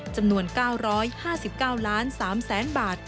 จำนวน๙๕๙๓๐๐๐๐๐บาท